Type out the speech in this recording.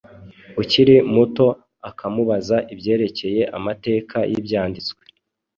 ukiri muto akamubaza ibyerekeye amateka y’Ibyanditswe,